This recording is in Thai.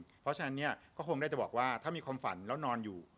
เพราะฉะนั้นเนี่ยก็คงได้จะบอกว่าถ้ามีความฝันแล้วนอนอยู่